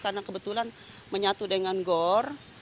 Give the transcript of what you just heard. karena kebetulan menyatu dengan gor